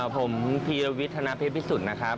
ผมพีรวิทธนาเพชรพิสุทธิ์นะครับ